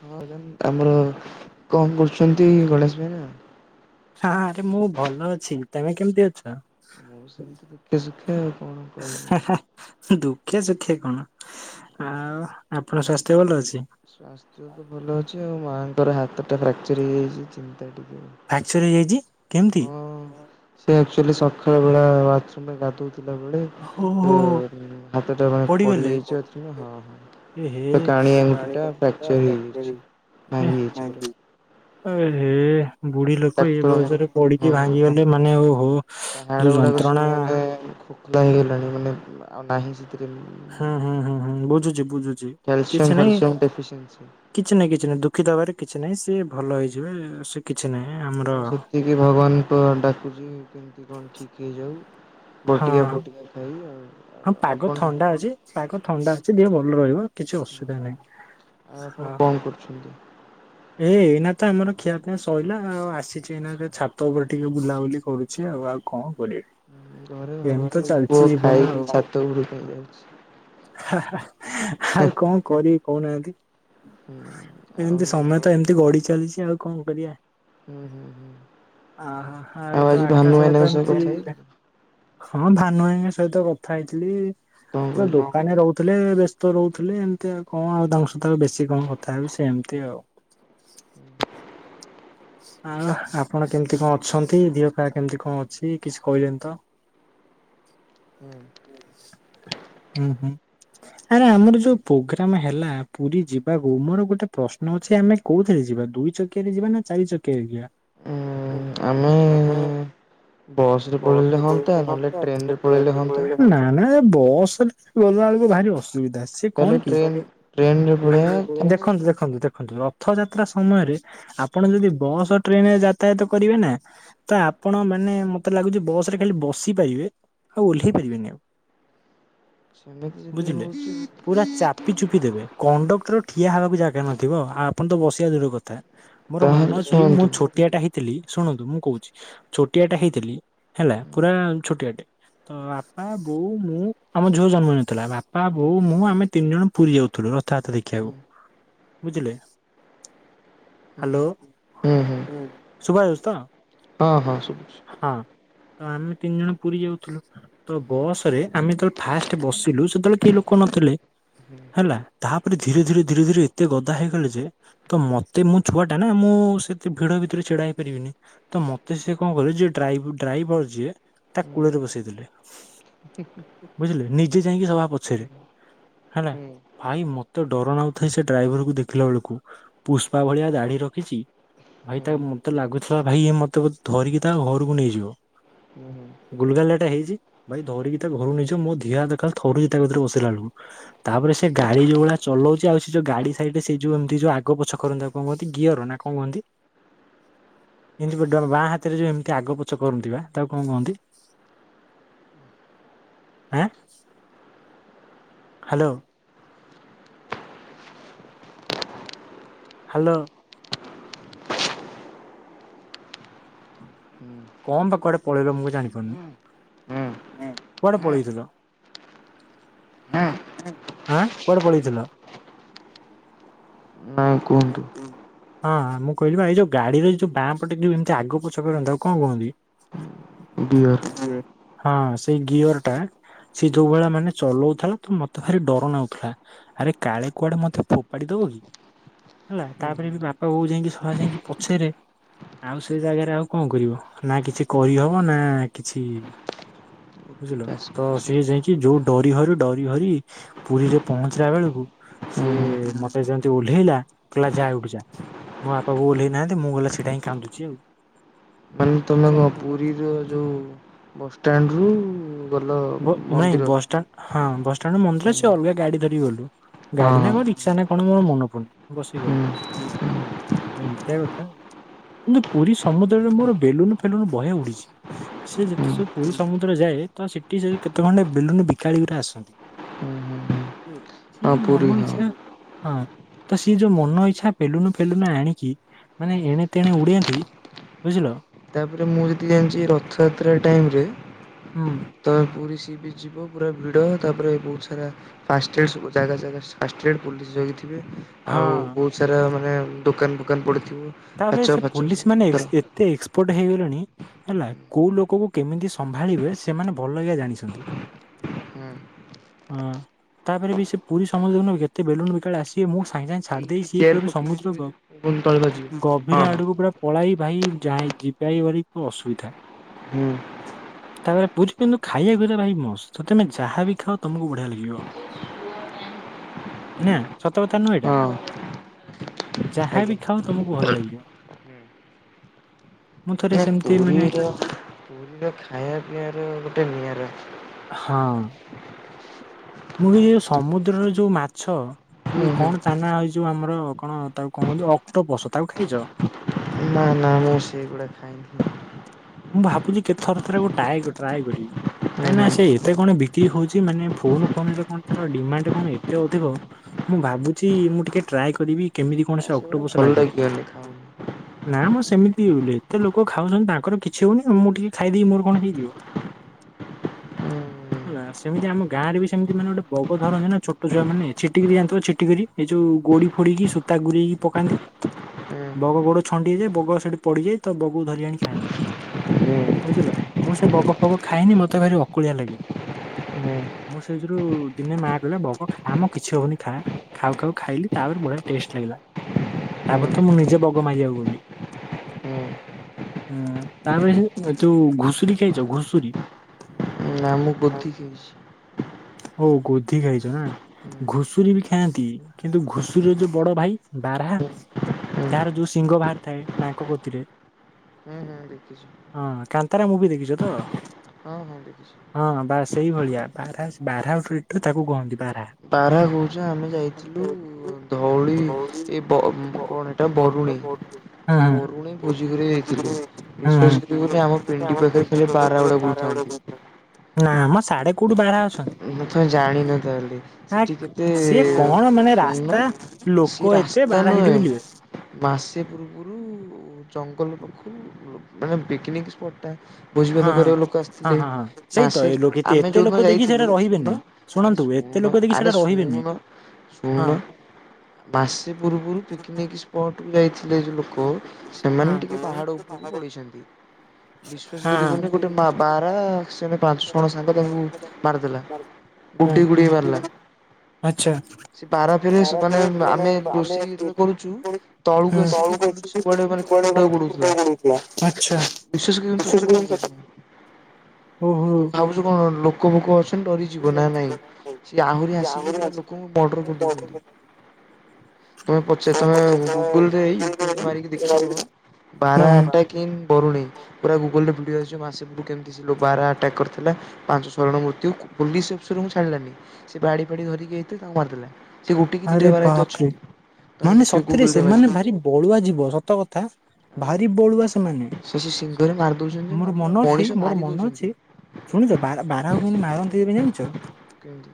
ହଁ ମାଡାମ ଆମର କଣ କରୁଛନ୍ତି ଗଣେଶ ଭାଇନା? ହଁ ଆରେ ମୁଁ ଭଲ ଅଛି ତମେ କେମିତି ଅଛ? ମୁଁ ସେମିତି ଦୁଃଖେ ସୁଖେ ଆଉ କଣ କହିବି। ଦୁଃଖେ ସୁଖେ କଣ ଆଉ ଆପଣଙ୍କ ସ୍ୱାସ୍ଥ୍ୟ ଭଲ ଅଛି? ସ୍ଵାସ୍ଥ୍ୟ ତ ଭଲ ଅଛି ଆଉ ମାଆଙ୍କର ହାତ ଟା ଫ୍ରାକ୍ଚର ହେଇଯାଇଚି ଚିନ୍ତା ଟିକେ। ଚର୍ ହେଇଯାଇଚି କେମତି? ସେ ଆକ୍ଚୁଏଲି ସଖାଳବେଳା ବାଥ୍ରୁମରେ ଗାଧୋଉଥି ଥିଲାବେଳେ ଏ ଓହୋ ଉଁ ହାତଟା ମାନେ ପଡିଗଲେ ପଡିଯାଇଚି ବାଥ୍ରୁମରେ ହଁ ହଁ। ଏ ହେ ତ କାଣି ଆଙ୍ଗୁଠିଟା ଫ୍ୟାକ୍ଚର୍ ହେଇଯାଇଛି ଭାଙ୍ଗି ଯାଇଛି ପୁରା। ଏ ହେ ବୁଢୀ ଲୋକ ଏ ଡାକ୍ତରଙ୍କ ବୟସରେ ହଁ ପଡିକି ଭାଙ୍ଗିଗଲେ ମାନେ ଓହୋ। ତା ଯୋଉ ହାଡଗୁଡାକ ଯନ୍ତ୍ରଣା ସବୁ ମାନେ ଖୋକଲା ହେଇଗଲାଣି ମାନେ ଉଁ ଆଉ ନାହିଁ ସି [unintelligible] ଉଁ ହୁଁ ହୁଁ ହୁଁ ହୁଁ ବୁଝୁଛି ବୁଝୁଛି କିଛି କ୍ୟାଲସିୟମ୍ ନାଇଁ ଫ୍ୟାଲସିୟମ୍ ଡେଫିସିଏନ୍ସି। କିଛି ନାହିଁ କିଛି ନାହିଁ ଦୁଃଖିତ ହବାରେ କିଛି ନାହିଁ ସିଏ ଭଲ ହେଇଯିବେ ସେ କିଛି ନାହିଁ ଆମର ଏହିକି ଭଗବାନଙ୍କ ଡାକୁଚି କେମତି କଣ ଠିକ୍ ହେଇଯାଉ ହଁ ବଟିକା ଫଟିକା ଖାଇ ଆଉ ହଁ ପାଗ ଆପଣ ଥଣ୍ଡା ଅଛି ପାଗ ଥଣ୍ଡା ଅଛି ଦେହ ଭଲ ରହିବ। କିଛି ଅସୁବିଧା ନାହିଁ ହଁ। ସୁନ୍ଦର ଏ ଏଇନା ତ ଆମର ଖିଆ ପିଆ ସଇଲା ଆଉ ଆସିଛି ଏଇନାକେ ଛାତ ଉପରେ ଟିକେ ବୁଲାବୁଲି କରୁଛି ଆଉ ଆଉ କଁ କରିବେ? ଉଁ ଘରେ ଭାବୁଥିବେ ପୁଅ ଖାଇକି ଛାତ ଉପେରେ [unintelligible] ହଉଛି। ହା ହା ଆଉ କଁ କରବି? କହୁନାହାନ୍ତି ହୁଁ ଆଉ ଏମତି ସମୟ ହୁଁ ତ ଏମତି ଗଡି ଚାଲିଛି ଆଉ କଁ କରିଆ। ହୁଁ ହୁଁ ଅ ହ ଆଉ ହାଉ ତ ଆଜି ଭାନୁ ଆକାଶରେ ଭାଇନାଙ୍କ ତ ସହ ଏମତି କଥା ହେଇଥିଲ ହଁ ଭାନୁ ଭାଇଙ୍କ ସହିତ କଥା ହେଇଥିଲି କଣ ତ କହିଲେ? ଦୋକାନେ ରହୁ ଥେଲେ ବେସ୍ତ ରହୁଥେଲେ ଏମତି ଆଉ କଁ ଆଉ ତାଙ୍କ ସହିତ ଆଉ ବେଶୀ କଁ କଥା ହେବି ସେମତି ଆଉ। ଆହା ଆପଣ କେମତି କଁ ଅଛନ୍ତି ଧିଅ ପା କେମତି କଣ ଅଛି କିଛି କହିଲେନି ତ। ହୁଁ। ଉଁ ହୁଁ। ଆରେ ଆମର ଯୋଉ ପୋଗ୍ରାମେ ହେଲା ପୁରୀ ଯିବାକୁ ମୋର ଗୋଟେ ପ୍ରଶ୍ନ ଅଛି ଆମେ କୋଉଥେରେ ଯିବା ଦୁଇ ଚକିଆରେ ଯିବା ନା ଚାରି ଚକିଆରେ ଯିଆ। ଉଁ ଆମେ ବସରେ ପଳେଇଲେ ହଅନ୍ତା ନହେଲେ ଟ୍ରେନରେ ପଳେଇଲେ ହଅନ୍ତା। ନାଇଁ ନାଇଁ ଏ ବସରେ ଗଲାବେଳୁକୁ ଭାରି ଅସୁବିଧା ସି ଏ କଣ ତାହେଲେ କି ଟ୍ରେନ୍ ଟ୍ରେନ୍ ରେ ପଳେଇବା ଦେଖନ୍ତୁ ଦେଖନ୍ତୁ ଦେ ଖନ୍ତୁ ରଥଯାତ୍ରା ସମୟରେ ଆପଣ ଯଦି ବସ ଓ ଟ୍ରେନରେ ଯାତାୟାତ କରିବେ ନା ତ ଆପଣ ମାନେ ମତେ ଲାଗୁଚି ବସରେ ଖାଲି ବସିପାରିବେ ଆଉ ଓହ୍ଲେଇ ପାରିବେନି ଆଉ। ସେମିତି ଯଦି ବୁଝିଲେ ହଉଛି ପୁରା ଚାପି ଚୁପ୍ ପି ଦେବେ କଣ୍ଡକ୍ଟର ଠିଆ ହବାକୁ ଜାଗା ନଥିବ ଆଉ ଆପଣ ତ ବସିଆ ଦୂରର କଥା। ମୋର ମନ ତାହେଲେ ଅଛି ମୁଁ ଶୁଣନ୍ତୁ ଛୋଟିଆଟା ହେଇଥିଲି ଶୁଣନ୍ତୁ ମୁଁ କହୁଛି ଛୋଟିଆଟା ହେଇଥିଲି ହେଲା ପୁରା ଉଁ ଛୋଟିଆଟେ ତ ଆପା ବୋଉ ମୁଁ ଆମ ଝୁଅ ଜନ୍ମ ହେଇନଥିଲା ବା ପା ହୁଁ ବୋଉ ମୁଁ ଆମେ ତିନି ଜଣ ପୁରୀ ଯାଉଥୁଲୁ ରଥଯାତ୍ରା ହୁଁ ଦେଖିଆକୁ ବୁଝିଲେ। ହୁଁ ହାଲୋ ହୁଁ ହୁଁ ଶୁଭାଯାଉଛି ତ ହଁ ଶୁଭୁଛି। ହଁ ହଁ। ତ ଆମେ ତିନ ଜଣ ପୁରୀ ଯାଉଥୁଲୁ ତ ହୁଁ ବସରେ ଆମେ ତ ଫାଷ୍ଟେ ବସିଲୁ ସେତେବେଳେ କେଇ ଲୋକ ନଥିଲେ। ହୁଁ ହେଲା ତାପରେ ଧୀରେ ଧୀରେ ଧୀରେ ଧୀରେ ଏତେ ଗଦା ହେଇଗଲେ ଯେ ତ ମତେ ମୁଁ ଛୁଆଟା ନା ମୁଁ ସେତେ ଭିଡ ଭିତରେ ଛିଡା ହେଇପାରିବିନି। ତ ମତେ ସିଏ କଁ କଲେ ଯିଏ ଡ୍ରାଇଭ ଡ୍ରାଇଭର ଯିଏ ତା କୂଳରେ ବସେଇ ଦେଲେ। ହୁଁ ହୁଁ ହୁଁ। ବୁଝିଲେ ନିଜେ ଯାଇକି ସଭା ହୁଁ ପଛରେ ହୁଁ ହେଲା। ହୁଁ ଭାଇ ମୋତେ ଡର ନାଗୁଥାଏ ସେ ଡ୍ରାଇଭର୍ କୁ ଦେଖିଲା ବେଳକୁ, ପୁଷ୍ପା ଭଳିଆ ଦାଢି ରଖିଛି। ଭାଇ ତା ମୋତେ ଲାଗୁଥିଲା ଭାଇ ଇଏ ମୋତେ ବ- ଧରିକି ତା ଘରକୁ ନେଇଯିବ। ଓ, ହଁ। ଗୁଲଗାଲିଆ ଟା ହେଇଛି, ଭାଇ ଧରିକି ତା ଘରୁକୁ ନେଇଯିବ, ମୋ ଧିଅ ହାତ ଏକାଳେ ଥରୁଚି ତା କତିରେ ବସିଲା ବେଳକୁ। ତାପରେ ସେ ଗାଡି ଯୋଉ ଭଳିଆ ଚଲଉଚୁ, ଆଉ ସେ ଯୋଉ ଗାଡି ସାଇଡରେ ସେ ଯୋଉ ଏମତି ଯୋଉ ଆଗ ପଛ କରନ୍ତି ତାକୁ କଣ କୁହନ୍ତି ଗିଅର ନା କଣ କୁହନ୍ତି? ଏମିତି ବ-ଡ-ଆମ ବାଁ ହାତରେ ଯୋଉ ଏମିତି ଆଗ ପଛ କରନ୍ତି ବା ତାକୁ କଣ କୁହନ୍ତି? ଆଁ, ହାଲୋ। ହାଲୋ। କଣ ତ କୁଆଡେ ପଳେଇଲ ମୁଁ କ- ହୁଁ ହୁଁ ଜାଣିପାରୁନି? ହୁଁ କୁଆଡେ ପଳେଇଥିଲ? ହଁ। ଆଁ, କୁଆଡେ ପଳେଇଥିଲ? ନାଇଁ କୁହନ୍ତୁ ଅଁ, ମୁଁ କହିଲି ପା ଏଇ ଯୋଉ ଗାଡି ରେ ଯୋଉ ବାଁପଟେ ଯୋଉ ଏମତି ଆଗ ପଛ କରନ୍ତି ତାକୁ କଣ କୁହନ୍ତି? ଗିୟର୍। ହଁ ସେଇ ଗିୟର୍ ଟା ସେ ଯୋଉ ଭଳିଆ ମାନେ ଚଲଉଥିଲା ତ ମୋତେ ଭାରି ଡର ନାଗୁଥୁଲା। ଆରେ କାଳେ କୁଆଡେ ମୋତେ ଫୋପାଡ଼ି ଦବ କି ହେଲା ହୁଁ ତାପରେ ହୁଁ ବି ବାପା ବୋଉ ଯାଇଁକି ସବା ଯାଇଁକି ପଛରେ, ଆଉ ସେ ଜାଗାରେ ଆଉ କଣ କରିବ ନା କିଛି କହିହବ ନା କିଛି ବୁଝିଲ? ଓଟିଇଟି ତ ଆସିକି ସିଏ ସରିଯିବ। ଯାଇକି ଯୋଉ ଡରି ହର ଡରି ହରି ପୁରୀରେ ପହଞ୍ଚିଲା ବେଳକୁ ହୁଁ ହୁଁ ସିଏ ମୋତେ ଯେମିତି ଓହ୍ଲେଇଲା କହିଲା ଯା ଏଉଠୁ ଯା। ମୋ ବାପା ବୋଉ ଓହ୍ଲେଇ ନାହାନ୍ତି ମୁଁ ଗଲା ସେଇଟା ହିଁ କାନ୍ଦୁଚି ଆଉ। ମାନେ ତୋମେ କଣ ପୁରୀର ଯୋଉ ବସ୍ ଷ୍ଟାଣ୍ଡରୁ ଗଲ ନାଇଁ ମନ୍ଦିର? ବସଷ୍ଟାଣ୍ଡ ହଁ ବସ୍ ଷ୍ଟାଣ୍ଡରୁ ମନ୍ଦିର ହଁ ସେ ଅଲଗା ଗାଡି ଧରିିକି ଗଲୁ ଗାଡି ହଁ ନା କଣ ରିକ୍ସା ନା କଣ ମୋର ମନେ ପନି ବସି ହୁଁ ଗଲୁ। ଏମତିଆ କଥା, କିନ୍ତୁ ପୁରୀ ସମୁଦ୍ରରେ ମୋର ବେଲୁନ୍ ଫେଲୁନ୍ ବହେ ଉଡିିଛି। ସେ ଯେତେ ହୁଁ ସବୁ ପୁରୀ ସମୁଦ୍ର ଯାଏ ତ ସେ ଟି ସେଠି କେତେ ଖଣ୍ଡେ ବେଲୁନୁ ବିକାଳିି ଗୁରା ଆସନ୍ତି। ହୁଁ ହୁଁ ହୁଁ ବୁଝିଲ? ହଁ ସିଏ ପୁରୀ ମନ ହଁ ଇଚ୍ଛା ହଁ ତ ସିଏ ଯୋଉ ମନ ଇଚ୍ଛା ବେଲୁନୁ ଫେଲୁନୁ ଆଣିକି ମାନେ ଏଣେ ତେଣେ ଉଡେଇନ୍ତି। ବୁଝିଲ? ତାପରେ ମୁଁ ଯେତିକି ଜାଣିଚି ଏ ରଥଯାତ୍ରା ଟାଇମ୍ ରେ ହୁଁ। ତୋମେ ପୁରୀ ସି ବିଚ୍ ଯିବ ପୁରା ଭିଡ, ତାପରେ ବହୁତ ସାରା ଫାଷ୍ଟେଡ୍ ସବୁ ଜାଗା ଜାଗା ଫାଷ୍ଟଟ୍ରେଡ୍ ପୋଲିସ୍ ଜଗିଥିବେ। ହଁ ଆଉ ବହୁତ ସାରା ମାନେ ଦୋକାନ ଫୋକାନ ପଡ଼ିଥିବ। ତାପରେ ସେ ପୋଲିସ୍ ମାନେ ଏସ୍ ଏତେ ଏକ୍ସପୋର୍ଟ ହେଇଗଲେଣି। ହେଲା, କୋଉ ଲୋକକୁ କେମିତି ସମ୍ଭାଳିବେ ସେମାନେ ଭଲ କିଆ ଜାଣିଛନ୍ତି। ହଁ। ହଁ, ତାପରେ ବି ସେ ପୁରୀ ସମୁଦ୍ରରେ ନୁହଁ କି ଏତେ ବେଲୁନ୍ ବିକାଳି ଆସିବେ ମୁଁ ସାଙ୍ଗେ ସାଙ୍ଗେ ଛାଡି ଏଇଠି ଦେଇ ସିଏ ଚେୟାର ପୁରା ପୁରି ପକେଇକି ସମୁଦ୍ର ଗ [unintelligible] ଗଭୀର ହଁ ହଁ। ଆଡକୁ ପୁରା ପଳାଏ ଭାଇ ଯାଇ ଯିବା ଇବାଇ ଭାରି ଅସୁବିଧା। ହୁଁ ତା ପରେ ପୁରୀରେ କିନ୍ତୁ ଖାଇବା ଗୁରା ଭାଇ ମସ୍ତ ତ ତମେ ଯାହା ବିି ଖାଅ ତମକୁ ବଢିଆ ଲାଗିବ। [inaudible] ନା ସତ କଥା ନୁହଁ ଏଇଟା ହଁ ଆଜ୍ଞା ଯାହାବି ଖାଅ। ତମକୁ ଭଲ ଲାଗିବ ମୁଁ ଥରେ ନା ସେମିତି ମାନେ। ପୁରୀର ପୁରୀର ଖାଇବା ପିଇବା ର। ଗୋଟେ ନିଆରା। ହଁ। ମୁଁ ବି ଇଏ ଯୋଉ ସମୁଦ୍ରର ଯୋଉ ମାଛ। ଯୋଉ ହୁଁ ହୁଁ କଣ ତାନା ଏଇ ଯୋଉ ଆମର କଣ ତାକୁ କଣ କୁୁହନ୍ତି ଅକ୍ଟୋପଶ ତାକୁ ଖାଇଛ। ନା ନା ମୁଁ ସେଗୁଡା ଖାଇନି। ମୁଁ ଭାବୁଛି କେତଥର ଥରେ ଟାଏ ଟ୍ରାଏ କରିବି। ହୁଁ କାଇଁ ନା ହୁଁ ସେ ଏତେ କଣ ବିକ୍ରି ହଉଛି ମାନେ ଫୋନ ଫୋନରେ କଣ ତାର ଡିମାଣ୍ଡ କଣ ଏତେ ଅଧିକ। ମୁଁ ଭାବୁଛି ମୁଁ ଟିକେ ଟ୍ରାଏ କରିବି କେମିତି କଣ ଆ ସେ ଅକ୍ ସେଗୁଡା ଅକ୍ଟୋପସ ଭଲ ଲାଗେ। ଲାଗିବନି ଖାଉନି। ନା ମ ସେମିତି ଉଲେ ଏତେ ଲୋକ ଖାଉଛନ୍ତି ତାଙ୍କର କିଛି କିଛି ହଉନି ଆଉ ମୁଁ ଟିକେ ଖାଇଦେଇ ମୋର କଣ ହେଇଯିବ। ହୁଁ। ହେଲା ସେମିତି ଆମ ଗାଁରେ ବି ସେମିତି ମାନେ ଗୋଟେ ବଗ ଧରନ୍ତି ନା ଛୋଟ ଛୁଆମାନେ ଛିଟିକିରି ଯାଣିଥିବ ଛିଟିକିରି। ଏ ଯୋଉ ଗୋଡି ଫୋଡିକି ସୂତା ଗୁରେଇକି ପକାନ୍ତି। ହୁଁ ବଗ ଗୋଡ ଛଣ୍ଡି ହେଇଯାଏ ବଗ ସେଠି ପଡିଯାଏ। ତ ବଗକୁ ଧରି ଆଣି ଖାଆନ୍ତି। ହୁଁ ବୁଝିଲ ମୁଁ ସେ ବଗ ଫଗ ଖାଏନି ମତେ ଭାରି ଅକଳିଆ ଲାଗେ। ହୁଁ ମୁଁ ସେଇଥିରୁ ଦିନେ ମାଆ କହିଲା ବଗ ଖା ମ କିଛି ହବନି ଖା। ଖାଉ ଖାଉ ଖାଇଲି ତାପରେ ବଢିଆ ଟେଷ୍ଟ ଲାଗିଲା। ତା ହୁଁ ପରେ ତ ମୁଁ ନିଜେ ବଗ ମାରିବାକୁ ଗଲି ହୁଁ। ହୁଁ। ତା ପରେ ସେ ଏ ଯୋଉ ଘୁଷୁରୀ ଖାଇଛ ଘୁଷୁରୀ। ନା ମୁଁ ଗୋଧି ଖାଇଛି। ଓ ଗୋଧି ଖାଇଛ ନା। ଘୁଷୁରୀ ବି ଖାଆନ୍ତି କିନ୍ତୁ ଘୁଷୁରୀର ଯୋଉ ବଡ ଭାଇ ବାରହା। ହୁଁ ତାହାର ଯୋଉ ସିଂହ ବାହାରି ଥାଏ ନାକ କତିରେ। ହୁଁ ହୁଁ ଦେଖିଛି। ହଁ କାନ୍ତରା ମୁଭି ଦେଖିଛ ତ। ହଁ ହଁ ଦେଖିଛି। ହଁ ବାସ ସେଇଭଳିଆ ବାରହାସ୍ ବାରାହାଃ ଫିଟ୍ ର ତାକୁ କୁହନ୍ତି ବାରାହାଃ। ବାରହା କହୁଛ ଆମେ ଯାଇଥିଲୁ ଧଉଳି ଏ ବ କଣ ଏଇଟା ବରୁଣେଇ। ହୁଁ ହୁଁ ବରୁଣେଇ ଭୋଜି କରିବାକୁ ଯାଇଥିଲୁ। ତ ହୁଁ ହୁଁ ସେଠି ଯୋଉଠି ଆମ ପିଣ୍ଡି ପାଖରେ ସେ ଯୋଉ ବାରାହା ଗୁଡା ବୁଲୁ ଥାନ୍ତି। ନା ମ ସାଢେ କୋଉଠୁ ବାରାହା ଅଛନ୍ତି। ନା ତମେ ଜାଣିନ ତାହେଲେ ଆ ସେଠି କେତେ ସିଏ କଣ ମାନେ ଶୁଣୁନୁ। ରାସ୍ତା ସିଏ ଲୋକ ଏତେ ରାସ୍ତା ବାରା ସେଠି ନୁହେଁ ବୁଲିବେ ମାସେ ପୂର୍ବରୁ। ଜଙ୍ଗଲ ପାଖରୁ ଲୋ ମାନେ ପିକନିକଟ ସ୍ପଟ୍ ଟା। ଭୋଜିଭାତ ହଁ ହଁ କରିବାକୁ ଲୋକ ଆସିଥିଲେ ହଁ ହଁ ସେଇ ତ ମାସେ ଏ ଲୋକ ଏତେ ଆମେ ଏତେ ଯୋଉଦିନ ଲୋକ ଦେଖି ଯାଇଥିଲୁ। ସେଇଟା ଶୁଣୁନ ରହିବେନି ଆରେ ଶୁଣନ୍ତୁ ଏତେ ଶୁଣୁନ ଲୋକ ଦେଖି ଆରେ ସେଇଟା ରହିବେନି ଶୁଣୁନ ହଁ ଶୁଣନ। ମାସେ ପୂର୍ବୁରୁ ପିକନିକ। ସ୍ପଟ୍ କୁ ଯାଇଥିଲେ ଏ ଯୋଉ ଲୋକ ହଁ ସେମାନେ ଟିକେ ପାହାଡ ଉପରକୁ ପଳେଇଛନ୍ତି। ବିଶ୍ୱାସ ହଁ କରିବୁନି ଗୋଟେ ବା-ବାରହା ସେ ହେଲେ ପାଞ୍ଚ ଜଣ ସାଙ୍ଗ ତାକୁ ମାରିଦେଲା। ଗୁଡେଇ ଗୁଡେଇ ମାରିଲା ହୁଁ, ଆଚ୍ଛା। ସେ ବାରହା ଫେର ସେମାନେ ଆମେ ରୋଷେଇ ଯେତେବେଳେ କରୁଛୁ ତଳକୁ ଆସିକି ବୁଲୁଛି ସବୁଆଡେ ମାନେ କୁକୁରଟାକୁ ଗୋଡଉଥିଲା। ଆଚ୍ଛା। ବିଶ୍ୱାସ କରିବନି ସତ କଥା କହୁଛି ଓହୋ। ଯୋଉ କଣ ଲୋକ ଫୋକ ଅଛନ୍ତି ଡରିକି ଯିବ ନା ନାଇଁ, ସିଏ ଆହୁରି ଆସିକି ପୁରା ଲୋକଙ୍କୁ ମର୍ଡର କରିଦଉଛନ୍ତି। ତମେ ପଚା ତମେ ଗୁଗୁଲରେ, ୟୁଟ୍ୟୁବରେ ମାରିକି ଦେଖିବ, ହଁ ବାରହା ହଁ ଆଟାକ୍ କିନ୍ ବରୁଣେଇ ପୁରା ଗୁଗଲରେ ଭିଡିଓ ଆସିଛି, ମାସେକୁ କେମତି ସେ ବାରହା ଆଟାକ୍ କରିଥିଲା, ପାଞ୍ଚ ଛଅ ଜଣ ମୃତ୍ୟୁ ପୁଲିସ ଅଫସରଙ୍କୁ ଛାଡିଲାନି, ସେ ବାଡି ଫାଡି ଧରିକି ଆଇଥିଲେ ତାଙ୍କୁ ମାରିଦେଲା। ସେ ଗୋଟେ କି ଆରେ ଦିଟା ବାରହା ହେଇଥିବ ବାପ ଛୁ ମାନେ ସତରେ ସେମାନେ ଭାରି ବଳୁଆ ଜୀବ, ସତ କଥା। ଆଉ ଭାରି ବଳୁଆ ସେମାନେ। ସେ ସେ ସିଂଘରେ ମାରି ଦଉଛନ୍ତି ଯେ ମୋର ପୁରା ମନ ଅଛି, ମଣିଷ ମୋର ମାରି ମନ ଦଉଛନ୍ତି। ଅଛି ଶୁଣିଛ ବାର-ବାରହାକୁ କେମତି ମାରନ୍ତି ଏବେ ଜାଣିଛ? କେମିତି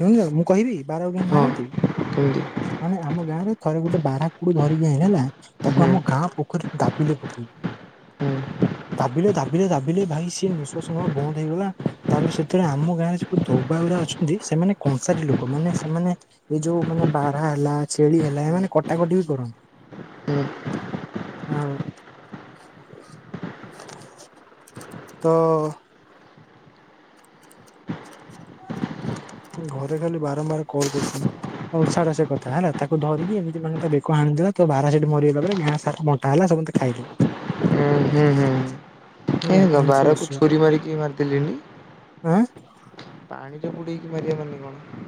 ଶୁଣୁଚ, ମୁଁ କହିବି, ବାରହାକୁ କେମିତି ମାରନ୍ତି? କେମତି? ମାନେ ଆମ ଗାଁରେ ଥରେ ଗୋଟେ ବାରହାକୁ ଧରିକି ଆଇଁଲେ ହେଲା, ତାକୁ ହୁଁ। ଆମ ଗାଁ ପୋଖରୀ ଦାବିଲେ ପକେଇକି। ହୁଁ। ଦାବିଲେ, ଦାବିଲେ, ଦାବିଲେ, ଭାଇ ସିଏ ନିଶ୍ଵାସ ନେବା ବନ୍ଦ ହେଇଗଲା ତାପରେ ସେତେବେଳେ ଆମ ଗାଁରେ ଯୋଉ ଧୋବା ଗୁରା ଅଛନ୍ତି, ସେମାନେ କଂସାରୀ ଲୋକ। ମାନେ ସେମାନେ ଏଇ ଯୋଉ ମାନେ ବାରହା ହେଲା, ଛେଳି ହେଲା, ଏମାନେ କଟାକଟି ବି କରନ୍ତି। ଆଉ ତ ମୋ ଘରେ ଖାଲି ବାରମ୍ବାର କଲ୍ କରୁଚନ୍ତି। ହମ୍ ଛାଡ଼ ସେ କଥା ହେଲା, ତାକୁ ଧରିକି ଏମିତି ମାନେ ତା ବେକ ହାଣିଦେଲା, ତ ବାରହା ସେଠି ମରିଗଲା ପରେ ଗାଁ ସାରା ମ ବଣ୍ଟାହେଲା ସମସ୍ତେ ଖାଇଲେ। ହୁଁ, ହୁଁ, ହୁଁଁ। ଏ ହେଲା ତ ବାରହାକୁ ଛୁରୀ ମାରିକି ମାରିଦେଲେଣିି? ଆଁ? ପାଣିରେ ବୁଡେଇକି ମାରିବେ ମାନେ କଣ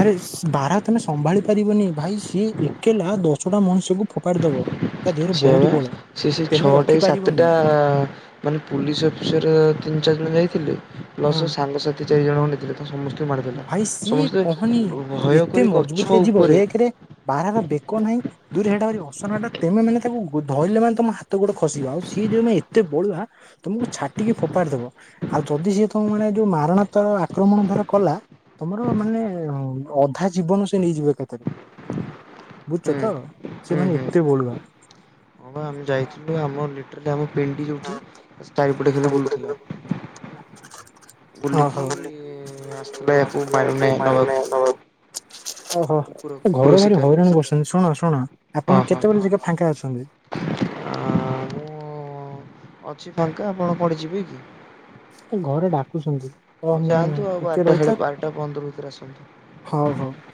ଆରେ ସ ବାରହା ତମେ ସମ୍ଭାଳି ପାରିବନି, ଭାଇ ସିଏ ଏକଲା ଦଶଟା ମଣିଷକୁ ଫୋପାଡ଼ିଦବ। ସେ, ସେ ସେଇ ଛଅଟା କି ରଖିପାରିବ ସାତଟା କାଲି ପୁଲିସ୍ ଅଫିସର ତିନି ଚାରି ଜଣ ଯାଇଥିଲେ, ପ୍ଲସ୍ ହଁ ସାଙ୍ଗସାଥି ଚାରିଜଣ ଖଣ୍ଡେ ଥିଲେ। ସମସ୍ତେ ମାଡ଼ିଦେଲେ। ଭାଇ ସିଏ ସମସ୍ତେ କହନି ଭୟ କରି ଗଛ ଉପରେ ବାରହାର ବେକ ନାହିଁ ଦୁଇରେ ସେଇଟା ଭାରି ଅସନଟା, ତେମେ ମାନେ ତାକୁ ଧଇଲେ ମାନେ ତମ ହାତ ଗୋଡ ଖସିବ। ଆଉ ସିଏ ଯୋଉ ମେ ଏତେ ବଳୁଆ ତମକୁ ଛାଟିକି ଫୋପାଡିଦବ, ଆଉ ଯଦି ସିଏ ତମ ମାନେ ଯୋଉ ମାରଣା ତର ଆକ୍ରମଣ ଧର କଲା, ତମର ମାନେ ଅଁ ଅଧା ଜୀବନ ସେ ନେଇଯିବ ଏକାଥରେ। ବୁଝୁଚ ହୁଁ ତ? ସେମାନେ ଏତେ ବଳୁଆ। ଆଉ ଆମେ ଯାଇଥିଲୁ ଆମ ଲିଟରାଲି ଆମ ପିଣ୍ଡି ଯୋଉଠି, ତା ଚାରିପଟେ ଖାଲି ବୁଲୁଥିଲା। ବୁଲିକି ଓହୋ। ଆସିଥିଲା ୟାକୁ ମାରୁ ନବାକୁ ଓହୋ। କୁକୁର ଏ କୁକୁର ଘରେ ଭାରି ଶିକାର ହଇରାଣ କରୁଛନ୍ତି, ଶୁଣ, ଶୁଣ, ଆପଣ କେତେବେଳେ ଯାକେ ଫାଙ୍କା ଅଛନ୍ତି? ଆଁ-ଆଁ ମୁଁ ଅଛି ଫାଙ୍କା ଆପଣ କୁଆଡେ ଯିବେ କି? ଏ ଘରେ ଡାକୁଛନ୍ତି, ତ ହଉ ମୁଁ-ଉ-ଉ ଯାଆନ୍ତୁ ଆଉ ଟିକେ ବାରଟା ସାଢ଼େ ରହିଥା। ବାରଟା ପନ୍ଦର ଭିତରେ ଆସନ୍ତୁ। ହଉ ହଉ।